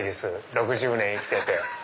６０年生きてて。